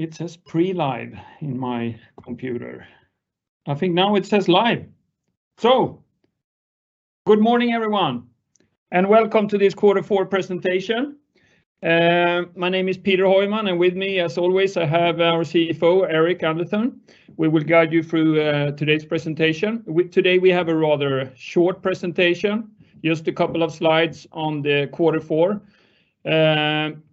It says pre-live in my computer. I think now it says live. Good morning, everyone, and welcome to this quarter four presentation. My name is Peter Heuman, and with me, as always, I have our CFO, Eirik Underthun. We will guide you through today's presentation. With today, we have a rather short presentation, just a couple of slides on the quarter four,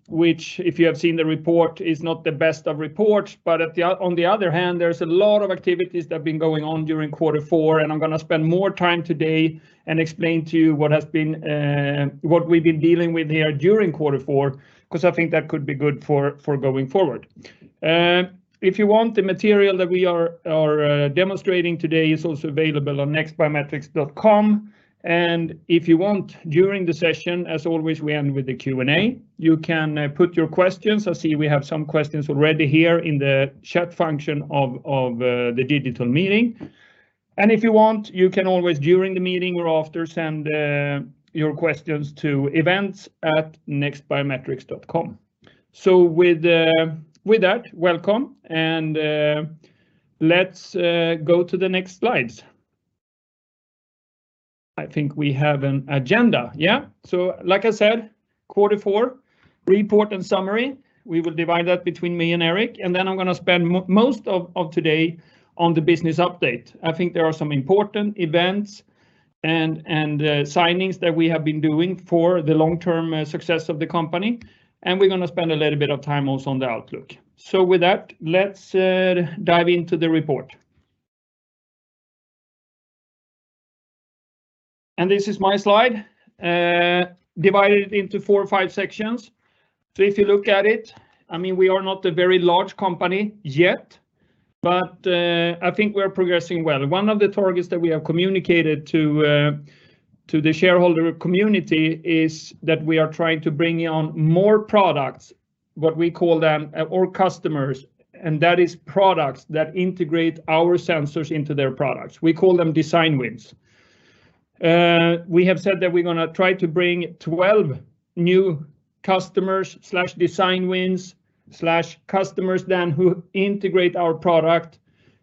which, if you have seen the report, is not the best of reports. On the other hand, there's a lot of activities that have been going on during quarter four, and I'm gonna spend more time today and explain to you what has been, what we've been dealing with here during quarter four 'cause I think that could be good for going forward. If you want, the material that we are demonstrating today is also available on nextbiometrics.com. If you want, during the session, as always, we end with a Q&A. You can put your questions. I see we have some questions already here in the chat function of the digital meeting. If you want, you can always, during the meeting or after, send your questions to events@nextbiometrics.com. With that, welcome, and let's go to the next slides. I think we have an agenda. Like I said, quarter four report and summary, we will divide that between me and Eirik, and then I'm gonna spend most of today on the business update. I think there are some important events and signings that we have been doing for the long-term success of the company, and we're gonna spend a little bit of time also on the outlook. With that, let's dive into the report. This is my slide, divided into four or five sections. If you look at it, I mean, we are not a very large company yet, but I think we're progressing well. One of the targets that we have communicated to the shareholder community is that we are trying to bring on more products, what we call them, or customers, and that is products that integrate our sensors into their products. We call them design wins. We have said that we're gonna try to bring 12 new customers/design wins/customers then who integrate our product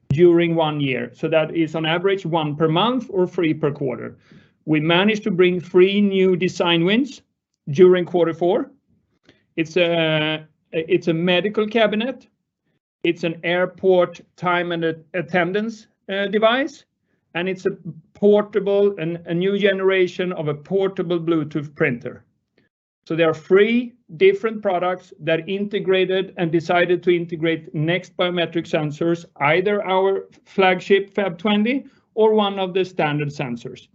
during one year. That is on average one per month or three per quarter. We managed to bring three new design wins during quarter four. It's a medical cabinet, it's an airport time and attendance device, and it's a portable and a new generation of a portable Bluetooth printer. There are three different products that integrated and decided to integrate NEXT Biometrics sensors, either our flagship FAP20 or one of the standard sensors.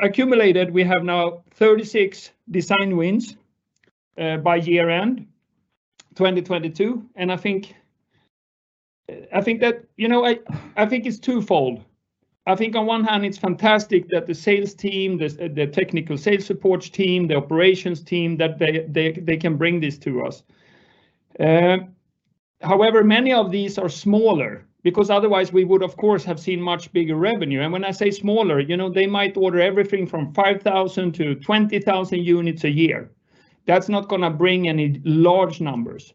Accumulated, we have now 36 design wins by year-end 2022, and I think that, you know, I think it's twofold. I think on one hand, it's fantastic that the sales team, the technical sales support team, the operations team, that they, they can bring this to us. However, many of these are smaller because otherwise we would, of course, have seen much bigger revenue. When I say smaller, you know, they might order everything from 5,000-20,000 units a year. That's not gonna bring any large numbers.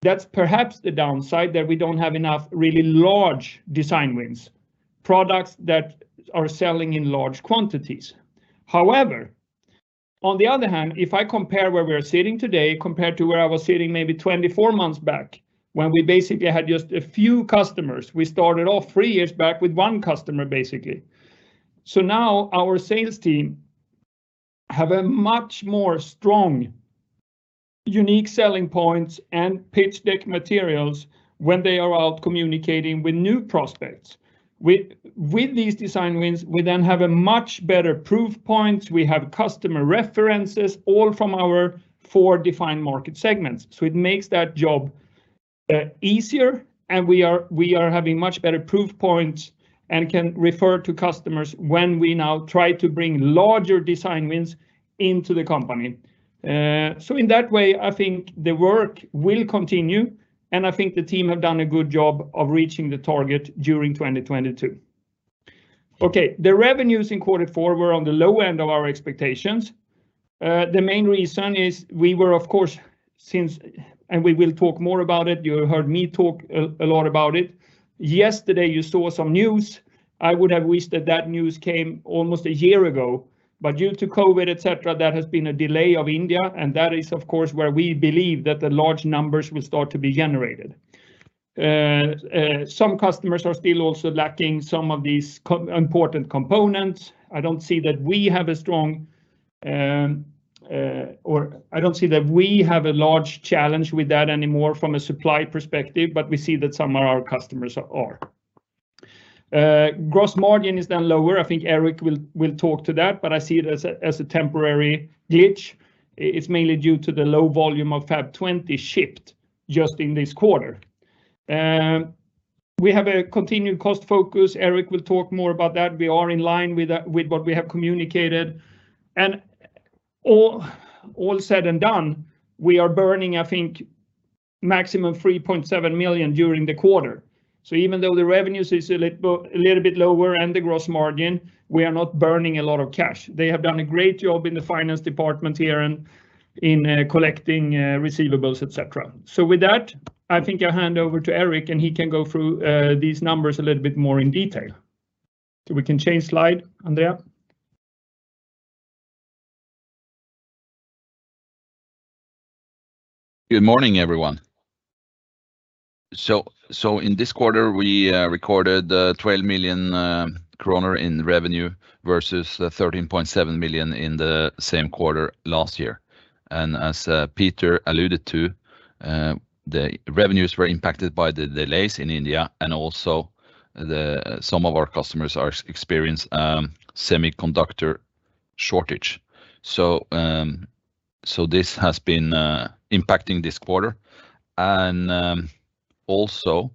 That's perhaps the downside, that we don't have enough really large design wins, products that are selling in large quantities. However, on the other hand, if I compare where we are sitting today compared to where I was sitting maybe 24 months back, when we basically had just a few customers, we started all three years back with one customer, basically. Now our sales team have a much more strong unique selling points and pitch deck materials when they are out communicating with new prospects. With these design wins, we then have a much better proof points. We have customer references, all from our four defined market segments. It makes that job easier, and we are having much better proof points and can refer to customers when we now try to bring larger design wins into the company. In that way, I think the work will continue, and I think the team have done a good job of reaching the target during 2022. The revenues in quarter four were on the low end of our expectations. The main reason is we were, of course, since, and we will talk more about it, you heard me talk a lot about it. Yesterday, you saw some news. I would have wished that that news came almost a year ago. Due to COVID, etc., there has been a delay of India, and that is, of course, where we believe that the large numbers will start to be generated. Some customers are still also lacking some of these important components. I don't see that we have a strong, or I don't see that we have a large challenge with that anymore from a supply perspective, but we see that some of our customers are. Gross margin is then lower. I think Eirik will talk to that, but I see it as a, as a temporary glitch. It's mainly due to the low volume of FAP20 shipped just in this quarter. We have a continued cost focus. Eirik will talk more about that. We are in line with what we have communicated. All said and done, we are burning, I think, maximum 3.7 million during the quarter. Even though the revenues is a little bit lower and the gross margin, we are not burning a lot of cash. They have done a great job in the finance department here and in collecting receivables, et cetera. With that, I think I'll hand over to Eirik, and he can go through these numbers a little bit more in detail. We can change slide, Andrea. Good morning, everyone. In this quarter, we recorded 12 million kroner in revenue versus 13.7 million in the same quarter last year. As Peter alluded to, the revenues were impacted by the delays in India and also some of our customers are experience semiconductor shortage. This has been impacting this quarter. Also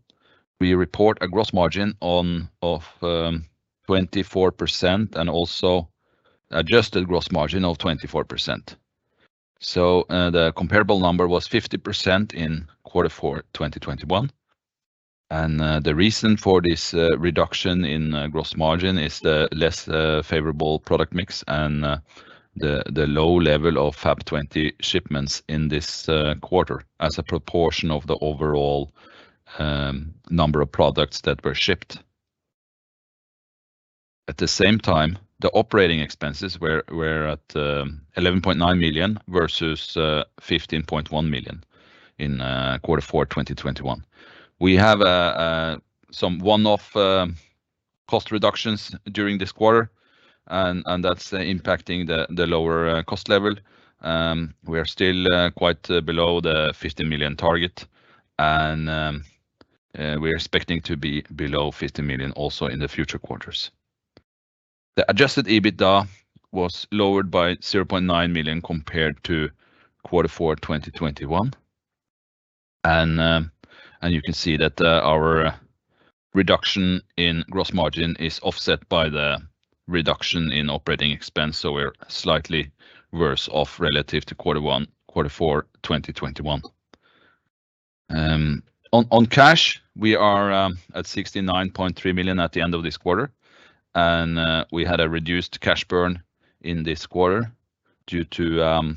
we report a gross margin of 24% and also adjusted gross margin of 24%. The comparable number was 50% in quarter four 2021. The reason for this reduction in gross margin is the less favorable product mix and the low level of FAP20 shipments in this quarter as a proportion of the overall number of products that were shipped. At the same time, the operating expenses were at 11.9 million versus 15.1 million in Q4 2021. We have some one-off cost reductions during this quarter, and that's impacting the lower cost level. We are still quite below the 50 million target, and we are expecting to be below 50 million also in the future quarters. The adjusted EBITDA was lowered by 0.9 million compared to Q4 2021. You can see that our reduction in gross margin is offset by the reduction in operating expense, so we're slightly worse off relative to Q1, Q4 2021. On cash, we are at 69.3 million at the end of this quarter. We had a reduced cash burn in this quarter due to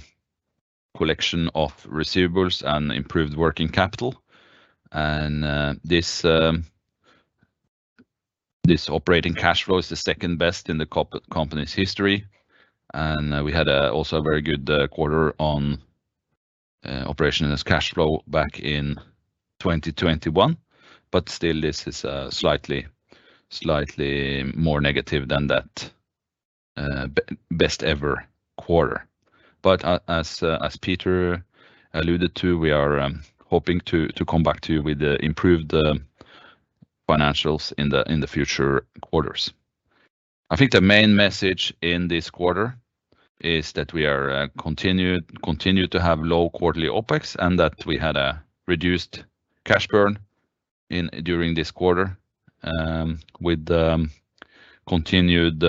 collection of receivables and improved working capital. This operating cash flow is the second best in the company's history. We had a also very good quarter on operation as cash flow back in 2021, still this is slightly more negative than that best ever quarter. As Peter alluded to, we are hoping to come back to you with the improved financials in the future quarters. I think the main message in this quarter is that we continue to have low quarterly OpEx and that we had a reduced cash burn in during this quarter, with continued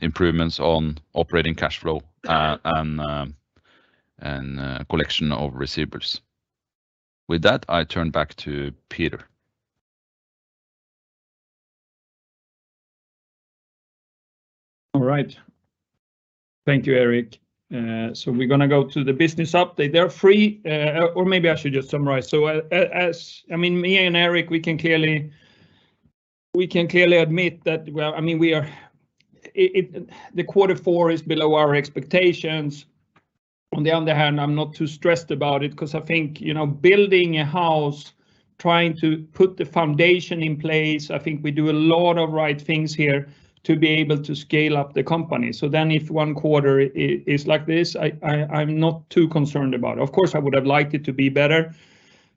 improvements on operating cash flow, and collection of receivables. With that, I turn back to Peter. All right. Thank you, Eirik. We're gonna go to the business update. There are three, or maybe I should just summarize. As, I mean, me and Eirik, we can clearly admit that, well, I mean, the quarter four is below our expectations. On the other hand, I'm not too stressed about it because I think, you know, building a house, trying to put the foundation in place, I think we do a lot of right things here to be able to scale up the company. If one quarter is like this, I'm not too concerned about it. Of course, I would have liked it to be better,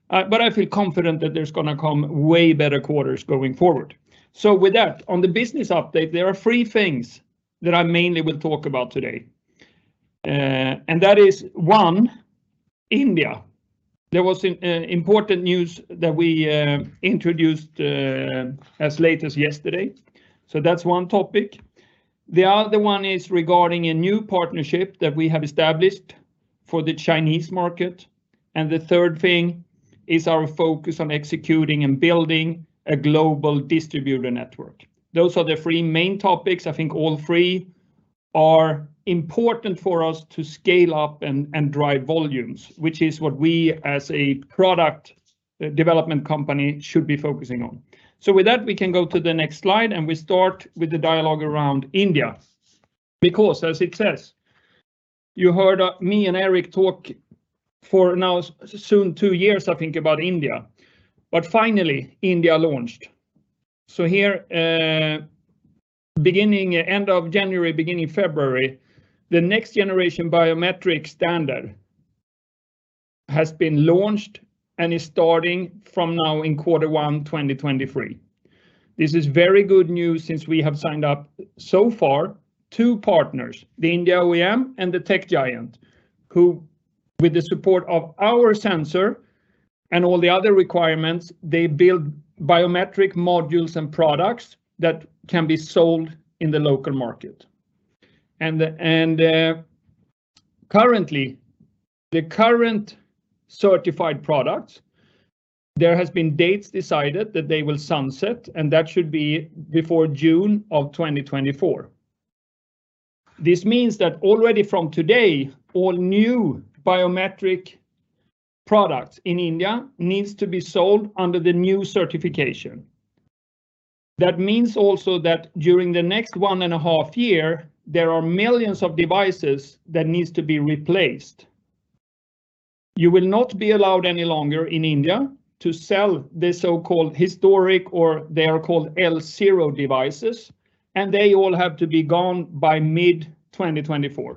but I feel confident that there's gonna come way better quarters going forward. With that, on the business update, there are three things that I mainly will talk about today. That is one, India. There was important news that we introduced as late as yesterday. That's one topic. The other one is regarding a new partnership that we have established for the Chinese market, and the third thing is our focus on executing and building a global distributor network. Those are the three main topics. I think all three are important for us to scale up and drive volumes, which is what we as a product development company should be focusing on. With that, we can go to the next slide, and we start with the dialogue around India. As it says, you heard me and Eirik talk for now soon two years, I think, about India. Finally, India launched. Here, beginning end of January, beginning February, the next generation biometric standard has been launched and is starting from now in quarter one, 2023. This is very good news since we have signed up so far two partners, the India OEM and the Tech Giant, who with the support of our sensor and all the other requirements, they build biometric modules and products that can be sold in the local market. Currently, the current certified products, there has been dates decided that they will sunset, and that should be before June of 2024. This means that already from today, all new biometric products in India needs to be sold under the new certification. That means also that during the next one and a half year, there are millions of devices that needs to be replaced. You will not be allowed any longer in India to sell the so-called historic, or they are called L0 devices. They all have to be gone by mid-2024.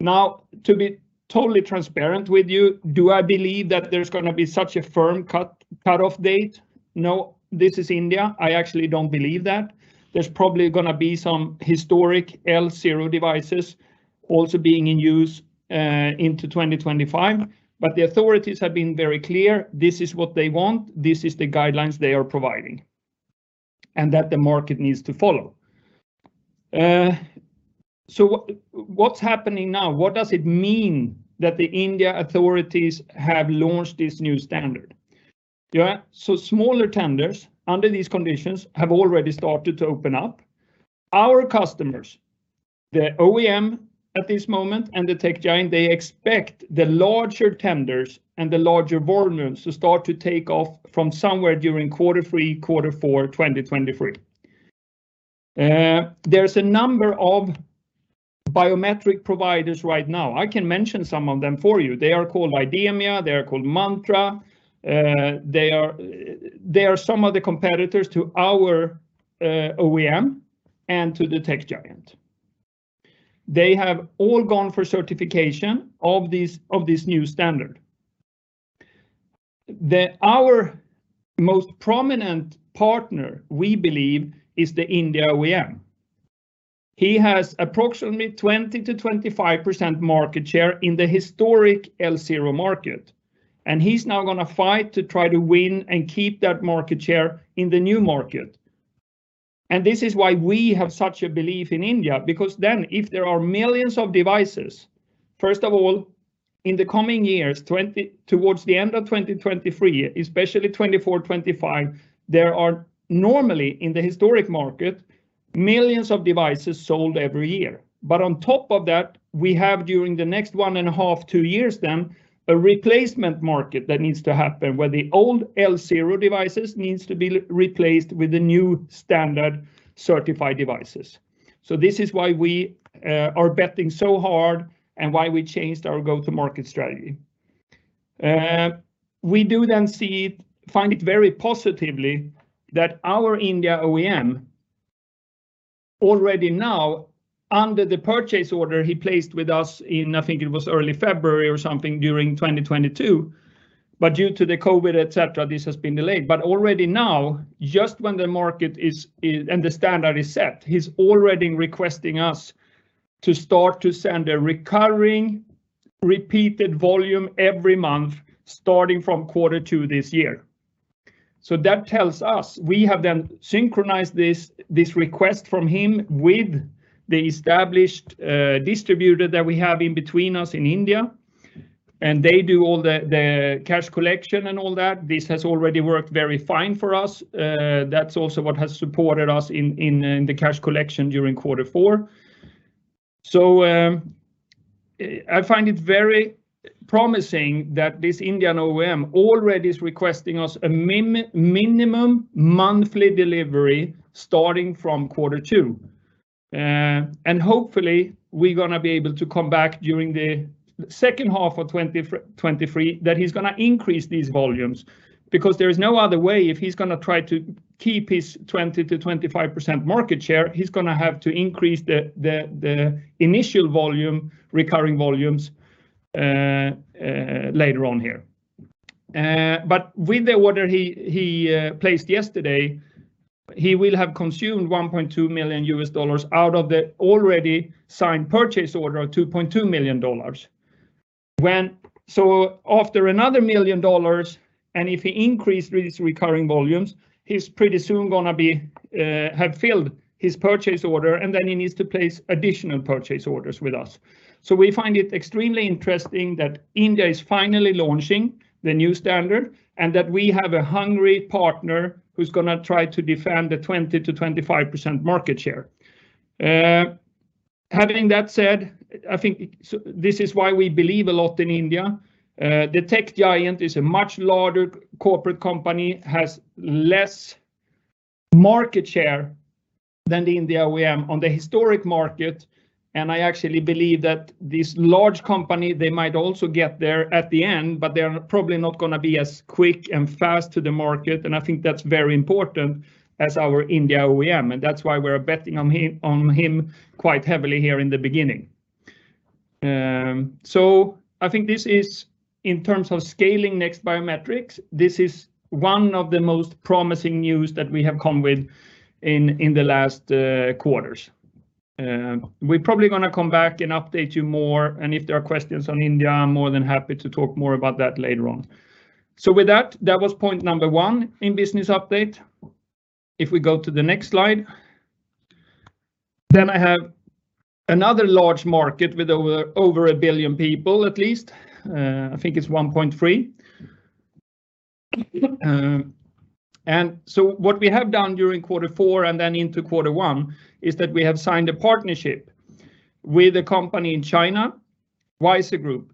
Now, to be totally transparent with you, do I believe that there's gonna be such a firm cut off date? No, this is India. I actually don't believe that. There's probably gonna be some historic L0 devices also being in use into 2025. The authorities have been very clear, this is what they want, this is the guidelines they are providing, and that the market needs to follow. What's happening now? What does it mean that the India authorities have launched this new standard? Yeah. Smaller tenders under these conditions have already started to open up. Our customers, the OEM at this moment and the Tech Giant, they expect the larger tenders and the larger volumes to start to take off from somewhere during quarter three, quarter four, 2023. There's a number of biometric providers right now. I can mention some of them for you. They are called IDEMIA, they are called Mantra. They are some of the competitors to our OEM and to the Tech Giant. They have all gone for certification of this new standard. Our most prominent partner, we believe, is the India OEM. He has approximately 20%-25% market share in the historic L0 market, and he's now gonna fight to try to win and keep that market share in the new market. This is why we have such a belief in India, because then if there are millions of devices, first of all, in the coming years, towards the end of 2023, especially 2024, 2025, there are normally, in the historic market, millions of devices sold every year. On top of that, we have during the next one and a half, two years then, a replacement market that needs to happen, where the old L0 devices needs to be re-replaced with the new standard certified devices. This is why we are betting so hard and why we changed our go-to-market strategy. we do then find it very positively that our India OEM already now, under the purchase order he placed with us in, I think it was early February or something during 2022, due to the COVID, et cetera, this has been delayed. Already now, just when the market is and the standard is set, he's already requesting us to start to send a recurring, repeated volume every month, starting from quarter two this year. That tells us, we have then synchronized this request from him with the established distributor that we have in between us in India, and they do all the cash collection and all that. This has already worked very fine for us. That's also what has supported us in the cash collection during quarter four. I find it very promising that this Indian OEM already is requesting us a minimum monthly delivery starting from Q2. Hopefully, we're gonna be able to come back during the second half of 2023, that he's gonna increase these volumes, because there is no other way. If he's gonna try to keep his 20%-25% market share, he's gonna have to increase the initial volume, recurring volumes, later on here. With the order he placed yesterday, he will have consumed $1.2 million out of the already signed purchase order of $2.2 million. After another $1 million, and if he increased these recurring volumes, he's pretty soon gonna be, have filled his purchase order, and then he needs to place additional purchase orders with us. We find it extremely interesting that India is finally launching the new standard, and that we have a hungry partner who's gonna try to defend the 20%-25% market share. Having that said, I think this is why we believe a lot in India. The Tech Giant is a much larger corporate company, has less market share than the India OEM on the historic market. I actually believe that this large company, they might also get there at the end, but they're probably not gonna be as quick and fast to the market. I think that's very important as our India OEM. That's why we're betting on him quite heavily here in the beginning. I think this is, in terms of scaling NEXT Biometrics, this is one of the most promising news that we have come with in the last quarters. We're probably gonna come back and update you more. If there are questions on India, I'm more than happy to talk more about that later on. With that was point number one in business update. If we go to the next slide, I have another large market with over a billion people at least, I think it's one point three. What we have done during quarter four and then into quarter one, is that we have signed a partnership with a company in China, Wiser Group.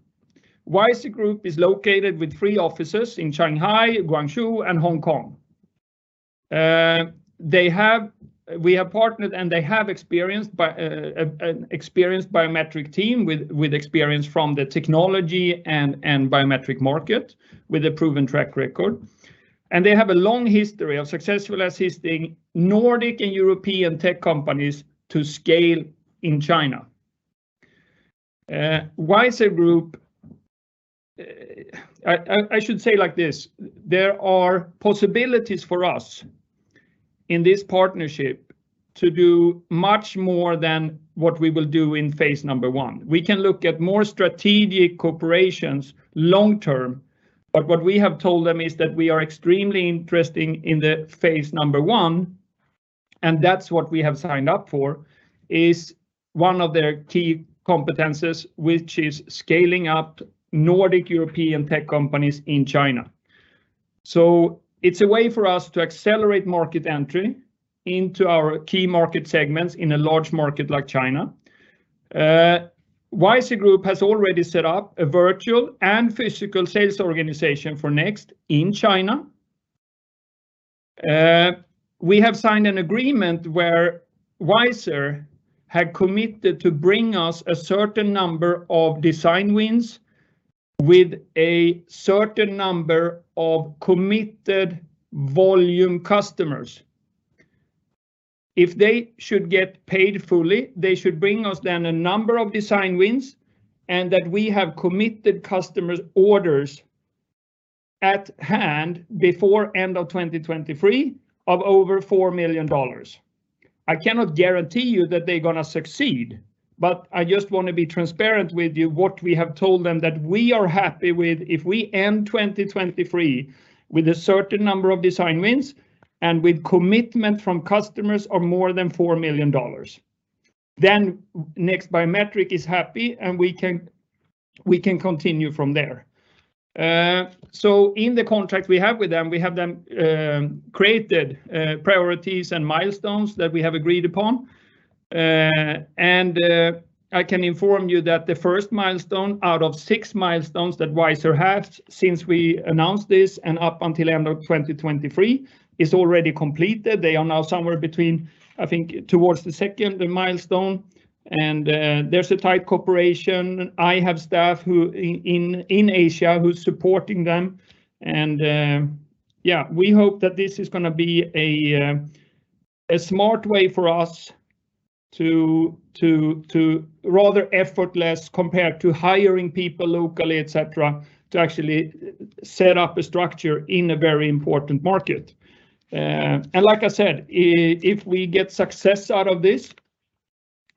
Wiser Group is located with three offices in Shanghai, Guangzhou, and Hong Kong. We have partnered, they have experienced by an experienced biometric team with experience from the technology and biometric market with a proven track record. They have a long history of successfully assisting Nordic and European tech companies to scale in China. Wiser Group. I should say like this, there are possibilities for us in this partnership to do much more than what we will do in phase 1. We can look at more strategic corporations long-term, but what we have told them is that we are extremely interesting in the phase I, and that's what we have signed up for, is one of their key competencies, which is scaling up Nordic European tech companies in China. It's a way for us to accelerate market entry into our key market segments in a large market like China. Wiser Group has already set up a virtual and physical sales organization for NEXT Biometrics in China. We have signed an agreement where Wiser had committed to bring us a certain number of design wins with a certain number of committed volume customers. If they should get paid fully, they should bring us then a number of design wins, and that we have committed customers' orders at hand before end of 2023 of over $4 million. I cannot guarantee you that they're gonna succeed, but I just wanna be transparent with you what we have told them that we are happy with if we end 2023 with a certain number of design wins and with commitment from customers of more than $4 million. NEXT Biometrics is happy, and we can continue from there. In the contract we have with them, we have them created priorities and milestones that we have agreed upon. I can inform you that the first milestone out of six milestones that Wiser has since we announced this and up until end of 2023 is already completed. They are now somewhere between, I think, towards the second milestone. There's a tight cooperation. I have staff who in Asia who's supporting them. We hope that this is gonna be a smart way for us to rather effortless compare to hiring people locally, et cetera, to actually set up a structure in a very important market. Like I said, if we get success out of this,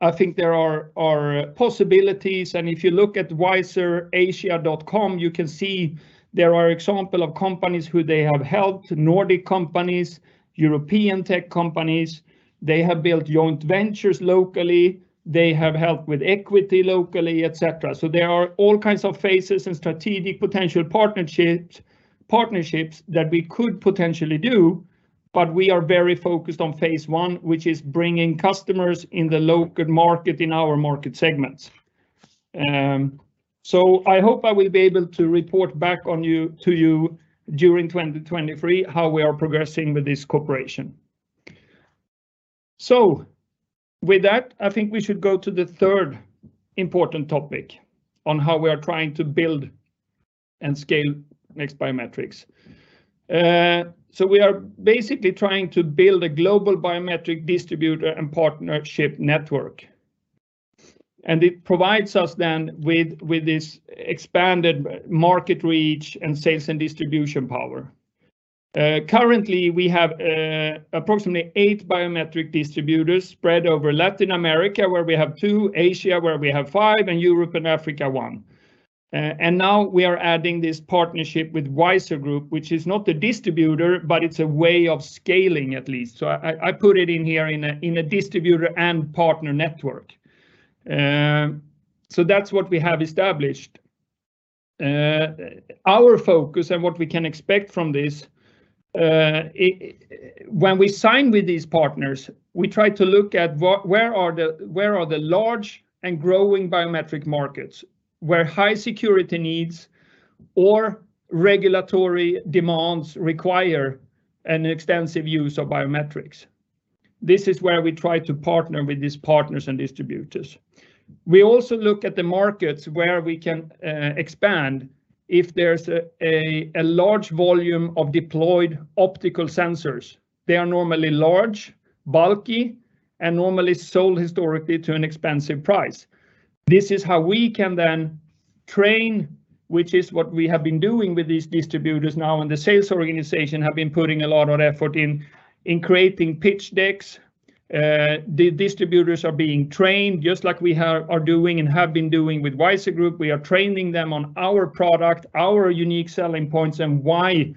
I think there are possibilities, and if you look at wiserasia.com, you can see there are example of companies who they have helped, Nordic companies, European tech companies. They have built joint ventures locally. They have helped with equity locally, et cetera. There are all kinds of phases and strategic potential partnerships that we could potentially do, but we are very focused on phase one, which is bringing customers in the local market in our market segments. I hope I will be able to report back to you during 2023 how we are progressing with this cooperation. With that, I think we should go to the third important topic on how we are trying to build and scale Next Biometrics. We are basically trying to build a global biometric distributor and partnership network. It provides us then with this expanded market reach and sales and distribution power. Currently, we have approximately eight biometric distributors spread over Latin America, where we have two, Asia, where we have five, and Europe and Africa one. Now we are adding this partnership with Wiser Group, which is not a distributor, but it's a way of scaling at least. I put it in here in a distributor and partner network. That's what we have established. Our focus and what we can expect from this, when we sign with these partners, we try to look at where are the large and growing biometric markets, where high security needs or regulatory demands require an extensive use of biometrics. This is where we try to partner with these partners and distributors. We also look at the markets where we can expand if there's a large volume of deployed optical sensors. They are normally large, bulky, and normally sold historically to an expensive price. This is how we can then train, which is what we have been doing with these distributors now, and the sales organization have been putting a lot of effort in creating pitch decks. The distributors are being trained, just like we are doing and have been doing with Wiser Group. We are training them on our product, our unique selling points, and why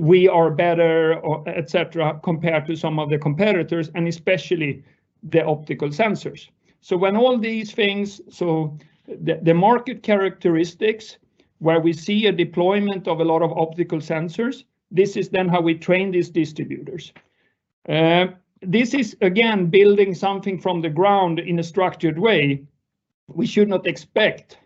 we are better, or et cetera, compared to some of the competitors, and especially the optical sensors. When all these things. The market characteristics where we see a deployment of a lot of optical sensors, this is then how we train these distributors. This is, again, building something from the ground in a structured way. We should not expect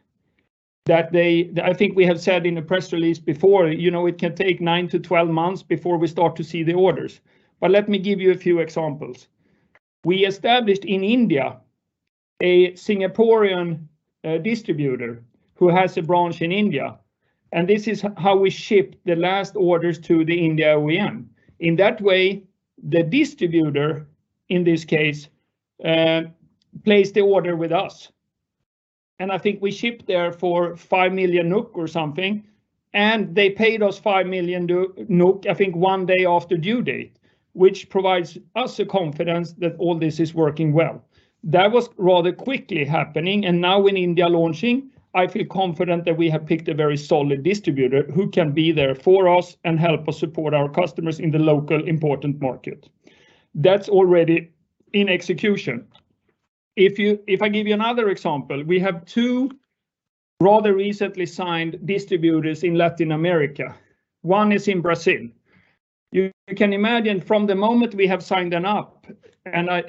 that they. I think we have said in a press release before, you know, it can take nine to twelve months before we start to see the orders. Let me give you a few examples. We established in India a Singaporean distributor who has a branch in India, and this is how we ship the last orders to the India OEM. In that way, the distributor, in this case, placed the order with us, and I think we shipped there for 5 million NOK or something, and they paid us 5 million NOK, I think, one day after due date, which provides us the confidence that all this is working well. That was rather quickly happening, and now in India launching, I feel confident that we have picked a very solid distributor who can be there for us and help us support our customers in the local important market. That's already in execution. If I give you another example, we have two rather recently signed distributors in Latin America. One is in Brazil. You can imagine from the moment we have signed them up, and I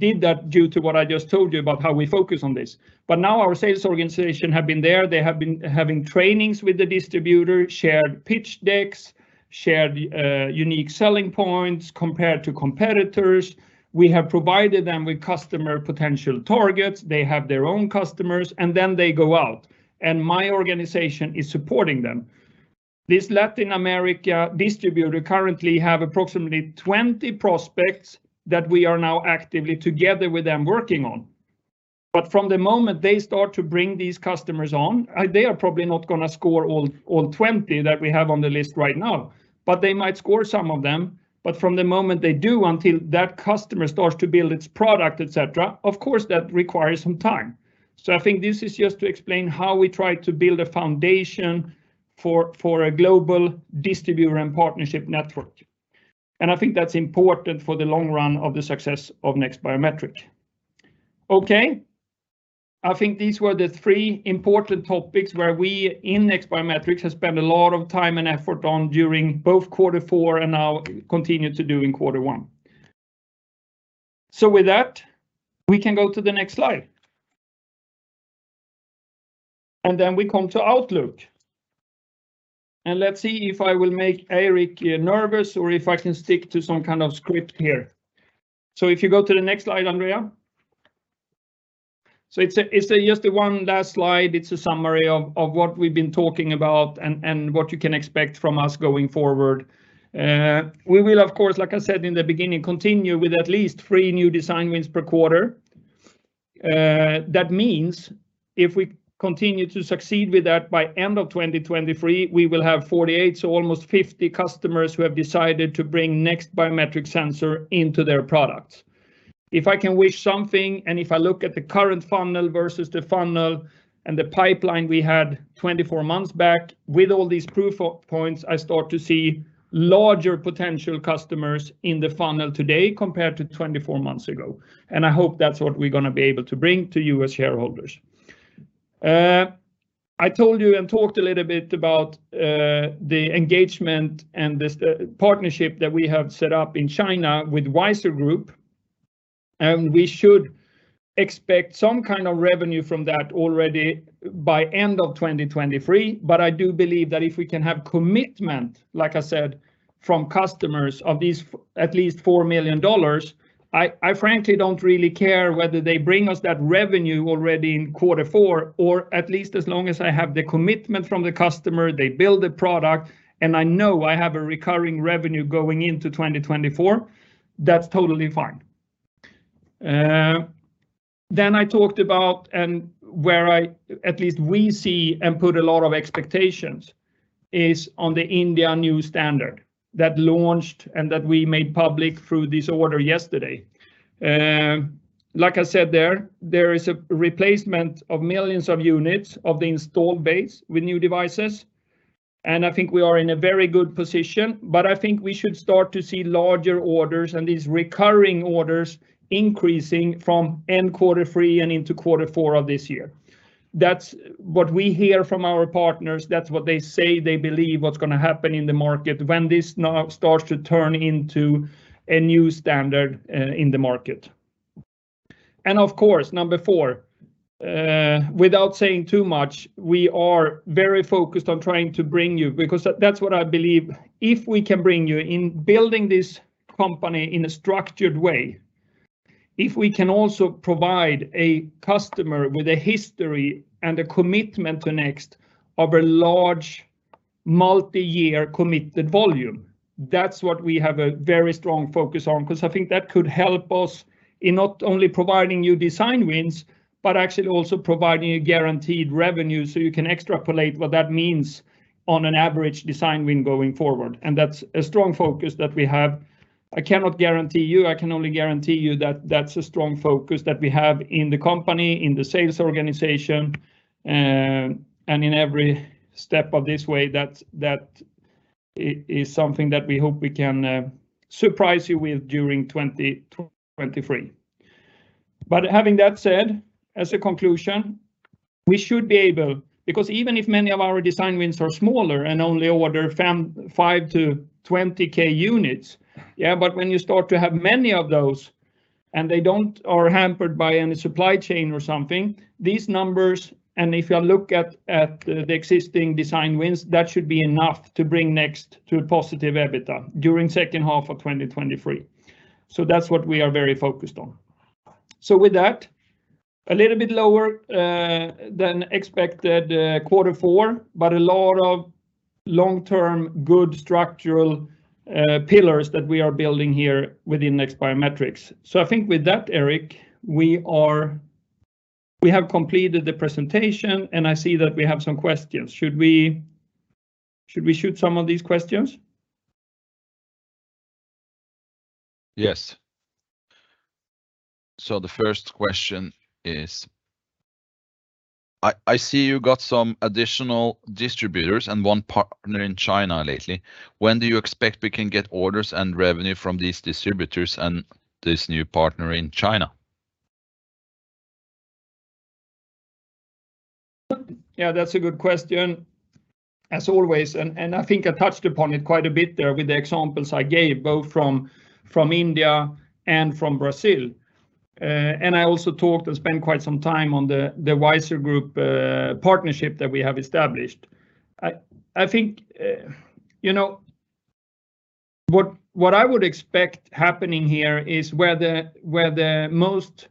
did that due to what I just told you about how we focus on this. Now our sales organization have been there. They have been having trainings with the distributor, shared pitch decks, shared unique selling points compared to competitors. We have provided them with customer potential targets. They have their own customers, and then they go out, and my organization is supporting them. This Latin America distributor currently have approximately 20 prospects that we are now actively together with them working on. From the moment they start to bring these customers on, they are probably not gonna score all 20 that we have on the list right now, but they might score some of them. From the moment they do until that customer starts to build its product, et cetera, of course, that requires some time. I think this is just to explain how we try to build a foundation for a global distributor and partnership network, and I think that's important for the long run of the success of NEXT Biometrics. Okay. I think these were the 3 important topics where we in NEXT Biometrics have spent a lot of time and effort on during both quarter four and now continue to do in quarter one. With that, we can go to the next slide. Then we come to outlook, and let's see if I will make Eirik nervous, or if I can stick to some kind of script here. If you go to the next slide, Andrea. It's a, just one last slide. It's a summary of what we've been talking about and what you can expect from us going forward. We will of course, like I said in the beginning, continue with at least three new design wins per quarter. That means if we continue to succeed with that by end of 2023, we will have 48, so almost 50 customers who have decided to bring NEXT Biometrics sensor into their products. If I can wish something, and if I look at the current funnel versus the funnel and the pipeline we had 24 months back, with all these proof of points, I start to see larger potential customers in the funnel today compared to 24 months ago, and I hope that's what we're gonna be able to bring to you as shareholders. I told you and talked a little bit about the engagement and the partnership that we have set up in China with Wiser Group, and we should expect some kind of revenue from that already by end of 2023. I do believe that if we can have commitment, like I said, from customers of these at least $4 million, I frankly don't really care whether they bring us that revenue already in quarter four, or at least as long as I have the commitment from the customer, they build the product, and I know I have a recurring revenue going into 2024, that's totally fine. I talked about, and where I, at least we see and put a lot of expectations, is on the India new standard that launched and that we made public through this order yesterday. Like I said, there is a replacement of millions of units of the install base with new devices, and I think we are in a very good position. I think we should start to see larger orders and these recurring orders increasing from end quarter three and into quarter four of this year. That's what we hear from our partners. That's what they say they believe what's gonna happen in the market when this now starts to turn into a new standard in the market. Of course, number four, without saying too much, we are very focused on trying to bring you, because that's what I believe, if we can bring you in building this company in a structured way, if we can also provide a customer with a history and a commitment to NEXT of a large multi-year committed volume, that's what we have a very strong focus on. I think that could help us in not only providing you design wins, but actually also providing you guaranteed revenue, so you can extrapolate what that means on an average design win going forward. That's a strong focus that we have. I cannot guarantee you, I can only guarantee you that that's a strong focus that we have in the company, in the sales organization. In every step of this way, that's, that is something that we hope we can surprise you with during 2023. Having that said, as a conclusion, we should be able, because even if many of our design wins are smaller and only order 5K-20K units, yeah. When you start to have many of those, and they don't... Are hampered by any supply chain or something, these numbers. If you look at the existing design wins, that should be enough to bring NEXT to a positive EBITDA during second half of 2023. That's what we are very focused on. With that, a little bit lower than expected quarter four, but a lot of long-term good structural pillars that we are building here within NEXT Biometrics. I think with that, Eirik, we have completed the presentation. I see that we have some questions. Should we shoot some of these questions? Yes. The first question is, I see you got some additional distributors and one partner in China lately. When do you expect we can get orders and revenue from these distributors and this new partner in China? Yeah, that's a good question, as always. I think I touched upon it quite a bit there with the examples I gave both from India and from Brazil. I also talked and spent quite some time on the Wiser Group partnership that we have established. I think, you know, what I would expect happening here is where the most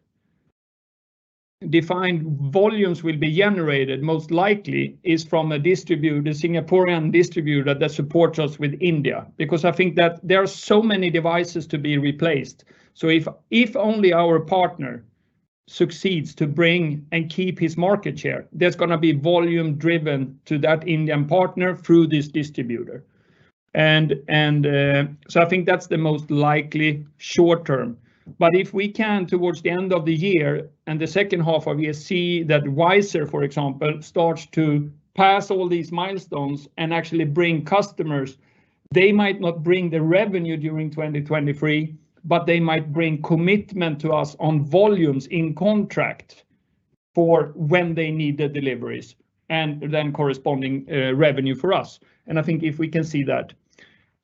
defined volumes will be generated, most likely is from a distributor, Singaporean distributor that supports us with India. Because I think that there are so many devices to be replaced. If only our partner succeeds to bring and keep his market share, there's gonna be volume driven to that Indian partner through this distributor. I think that's the most likely short term. If we can, towards the end of the year and the second half of year, see that Wiser, for example, starts to pass all these milestones and actually bring customers, they might not bring the revenue during 2023, but they might bring commitment to us on volumes in contract for when they need the deliveries, and then corresponding revenue for us. I think if we can see that,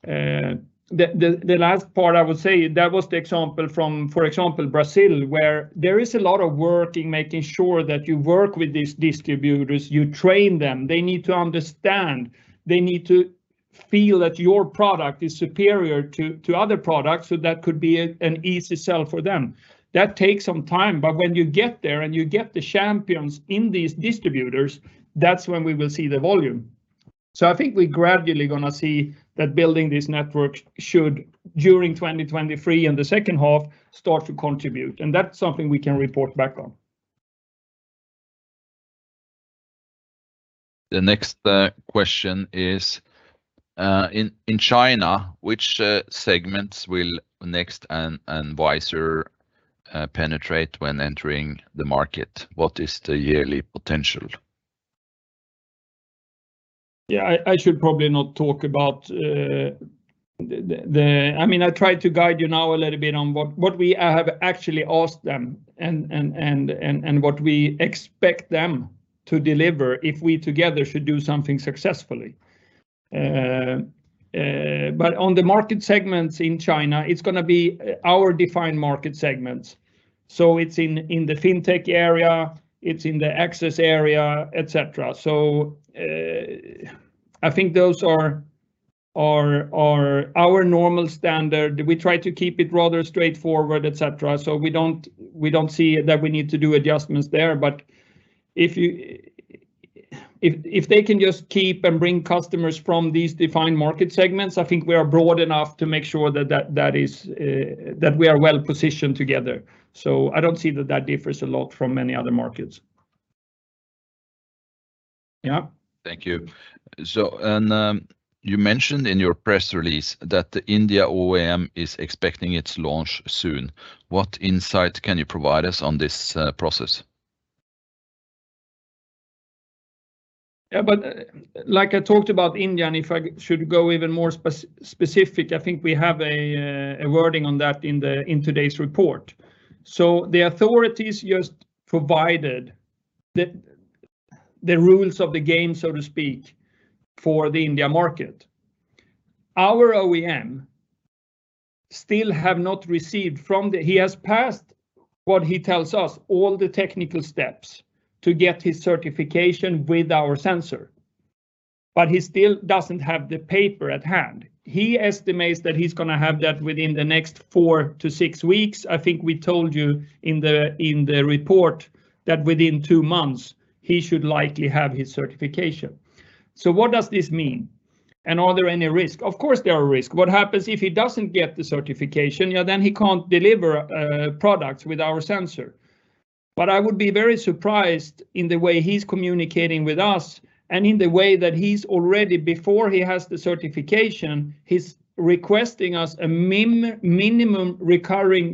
the last part I would say, that was the example from, for example, Brazil, where there is a lot of work in making sure that you work with these distributors, you train them, they need to understand, they need to feel that your product is superior to other products, so that could be an easy sell for them. That takes some time, but when you get there and you get the champions in these distributors, that's when we will see the volume. I think we gradually gonna see that building these networks should, during 2023 and the second half, start to contribute, and that's something we can report back on. The next question is in China, which segments will Next Biometrics and Wiser penetrate when entering the market? What is the yearly potential? I should probably not talk about. I mean, I tried to guide you now a little bit on what we have actually asked them and what we expect them to deliver if we together should do something successfully. On the market segments in China, it's gonna be our defined market segments. It's in the fintech area, it's in the access area, et cetera. I think those are our normal standard. We try to keep it rather straightforward, et cetera. We don't see that we need to do adjustments there. If they can just keep and bring customers from these defined market segments, I think we are broad enough to make sure that is, that we are well-positioned together. I don't see that that differs a lot from many other markets. Yeah. Thank you. You mentioned in your press release that the India OEM is expecting its launch soon. What insight can you provide us on this process? Like I talked about India, and if I should go even more specific, I think we have a wording on that in today's report. The authorities just provided the rules of the game, so to speak, for the India market. Our OEM still have not received. He has passed, what he tells us, all the technical steps to get his certification with our sensor, but he still doesn't have the paper at hand. He estimates that he's gonna have that within the next four to six weeks. I think we told you in the report that within two months, he should likely have his certification. What does this mean? Are there any risks? Of course, there are risks. What happens if he doesn't get the certification? Then he can't deliver products with our sensor. I would be very surprised in the way he's communicating with us, and in the way that he's already, before he has the certification, he's requesting us a minimum recurring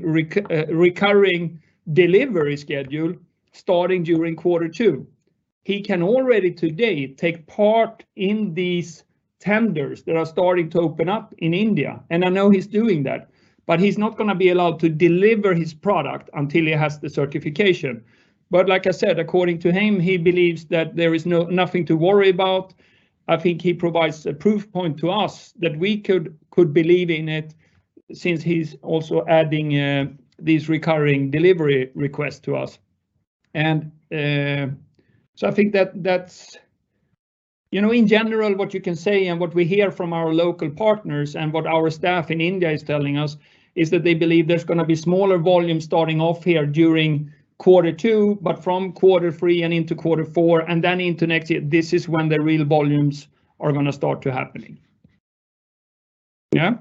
delivery schedule starting during quarter two. He can already today take part in these tenders that are starting to open up in India, and I know he's doing that, but he's not gonna be allowed to deliver his product until he has the certification. Like I said, according to him, he believes that there is nothing to worry about. I think he provides a proof point to us that we could believe in it since he's also adding these recurring delivery requests to us. I think that's... You know, in general, what you can say and what we hear from our local partners and what our staff in India is telling us is that they believe there's gonna be smaller volume starting off here during quarter two, but from quarter three and into quarter four, and then into next year, this is when the real volumes are gonna start to happening. Yeah.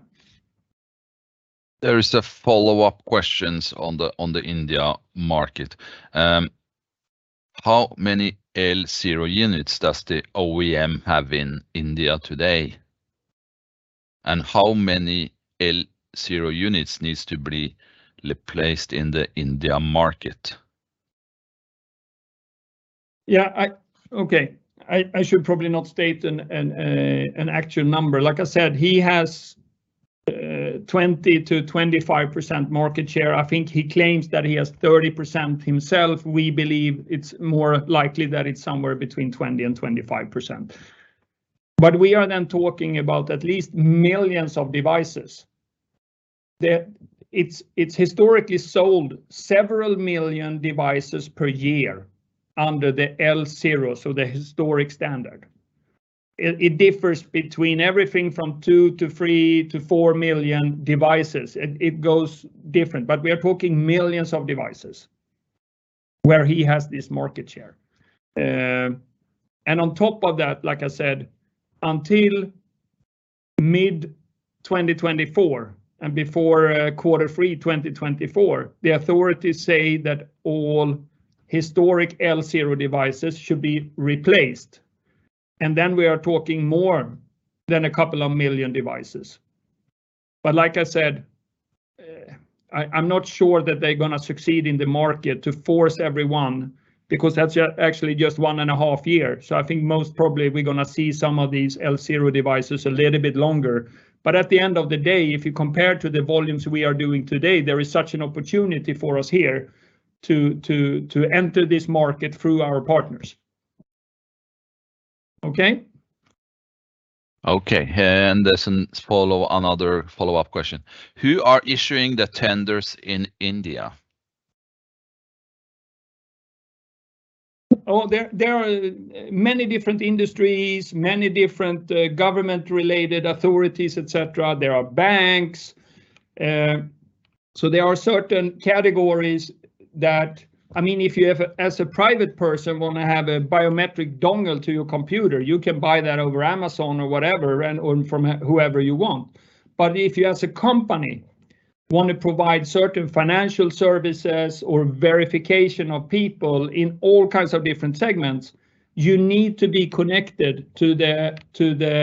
There is a follow-up questions on the India market. How many L0 units does the OEM have in India today? How many L0 units needs to be replaced in the India market? Yeah, Okay, I should probably not state an actual number. Like I said, he has 20%-25% market share. I think he claims that he has 30% himself. We believe it's more likely that it's somewhere between 20% and 25%. We are then talking about at least millions of devices that it's historically sold several million devices per year under the L0, so the historic standard. It differs between everything from two to three to four million devices. It goes different, we are talking millions of devices where he has this market share. On top of that, like I said, until mid-2024, before quarter three 2024, the authorities say that all historic L0 devices should be replaced, we are talking more than a couple of million devices. Like I said, I'm not sure that they're gonna succeed in the market to force everyone, because that's actually just one and a half year. I think most probably we're gonna see some of these L0 devices a little bit longer. At the end of the day, if you compare to the volumes we are doing today, there is such an opportunity for us here to enter this market through our partners. Okay? Okay. There's another follow-up question. Who are issuing the tenders in India? There are many different industries, many different government-related authorities, et cetera. There are banks. There are certain categories that. I mean, if you have, as a private person, wanna have a biometric dongle to your computer, you can buy that over Amazon or whatever and, or from whoever you want. If you as a company want to provide certain financial services or verification of people in all kinds of different segments, you need to be connected to the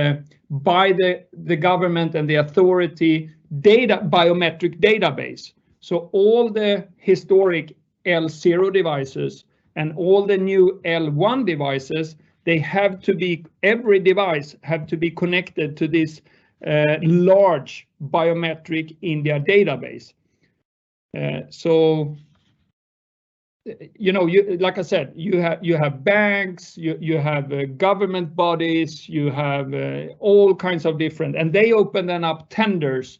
government and the authority data, biometric database. All the historic L0 devices and all the new L1 devices, every device have to be connected to this large biometric India database. You know, you, like I said, you have banks, you have government bodies, you have all kinds of different. They open then up tenders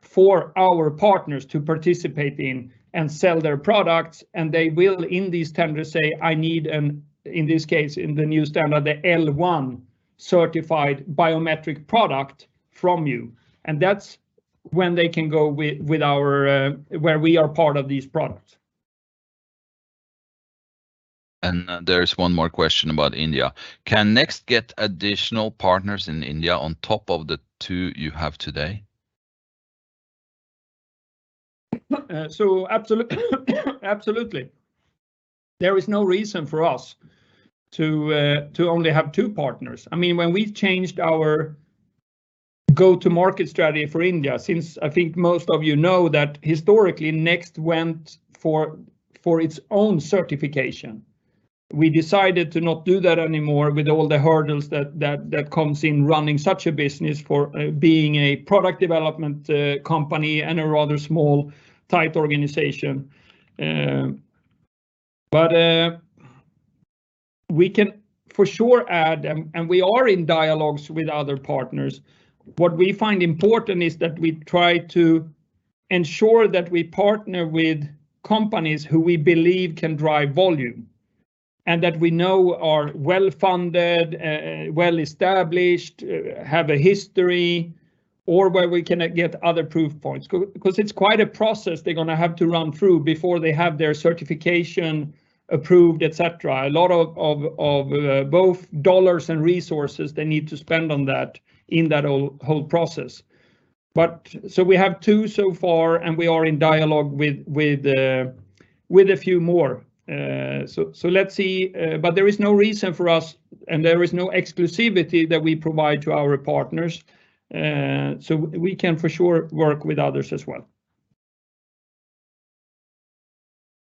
for our partners to participate in and sell their products. They will, in these tenders, say, "I need an," in this case, in the new standard, "a L1 certified biometric product from you." That's when they can go with our, where we are part of these products. There's one more question about India. Can NEXT get additional partners in India on top of the two you have today? Absolutely. There is no reason for us to only have two partners. I mean, when we changed our go-to-market strategy for India, since I think most of you know that historically NEXT Biometrics went for its own certification, we decided to not do that anymore with all the hurdles that comes in running such a business for being a product development company and a rather small, tight organization. We can for sure add, and we are in dialogues with other partners. What we find important is that we try to ensure that we partner with companies who we believe can drive volume, and that we know are well-funded, well-established, have a history or where we can get other proof points. Because it's quite a process they're gonna have to run through before they have their certification approved, et cetera. A lot of both dollars and resources they need to spend on that in that whole process. We have two so far, and we are in dialogue with a few more. Let's see. There is no reason for us, and there is no exclusivity that we provide to our partners. We can for sure work with others as well.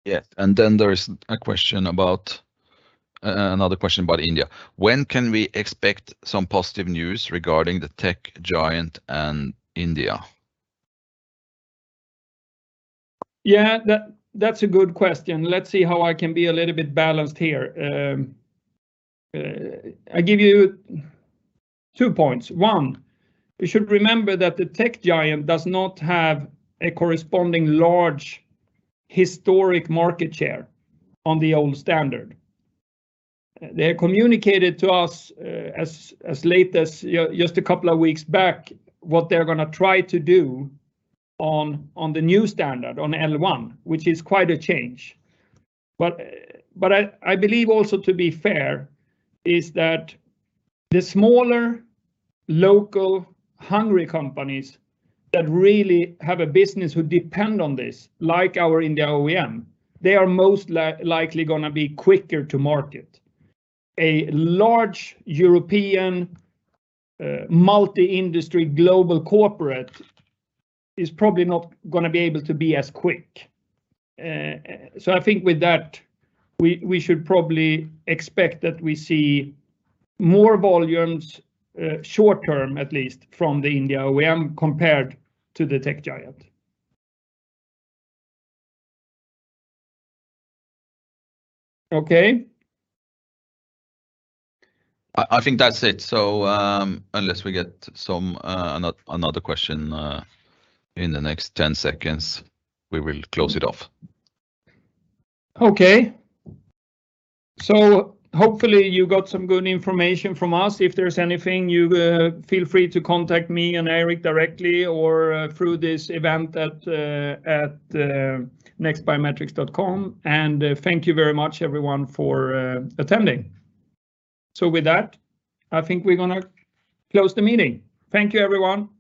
Yes, then there is a question about another question about India. When can we expect some positive news regarding the Tech Giant and India? Yeah, that's a good question. Let's see how I can be a little bit balanced here. I give you 2 points. 1, you should remember that the Tech Giant does not have a corresponding large historic market share on the old standard. They communicated to us as late as just a couple of weeks back what they're gonna try to do on the new standard, on L1, which is quite a change. I believe also to be fair is that the smaller, local, hungry companies that really have a business who depend on this, like our India OEM, they are most likely gonna be quicker to market. A large European multi-industry global corporate is probably not gonna be able to be as quick. I think with that, we should probably expect that we see more volumes, short-term at least from the India OEM compared to the Tech Giant. Okay? I think that's it, so, unless we get some another question, in the next 10 seconds, we will close it off. Okay. Hopefully you got some good information from us. If there's anything, you feel free to contact me and Eirik directly or through events@nextbiometrics.com, and thank you very much everyone for attending. With that, I think we're gonna close the meeting. Thank you, everyone.